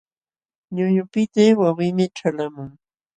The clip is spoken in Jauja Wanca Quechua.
Ñuñupitiy wawinmi ćhalqamun.